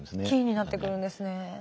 キーになってくるんですね。